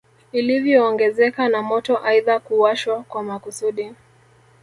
Ilivyoongezeka na moto aidha kuwashwa kwa makusudi